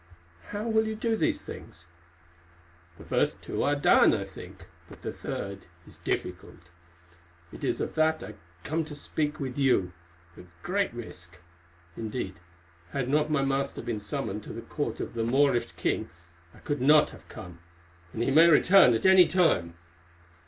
"How will you do these things?" "The first two are done, I think, but the third is difficult. It is of that I come to speak with you, at great risk. Indeed, had not my master been summoned to the court of the Moorish king I could not have come, and he may return at any time."